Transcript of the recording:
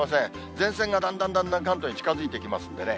前線がだんだんだんだん関東に近づいてきますんでね。